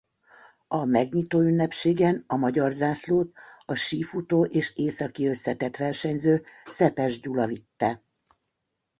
A megnyitóünnepségen a magyar zászlót a sífutó és északiösszetett-versenyző Szepes Gyula vitte.